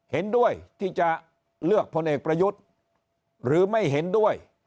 เห็นด้วยที่จะเลือกพลเอกประยุทธ์หรือไม่เห็นด้วย